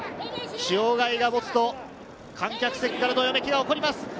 塩貝が持つと、観客席からどよめきが起こります。